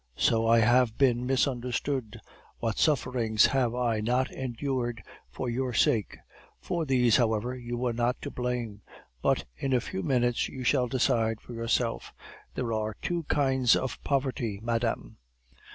so I have been misunderstood. What sufferings have I not endured for your sake! For these, however, you were not to blame; but in a few minutes you shall decide for yourself. There are two kinds of poverty, madame.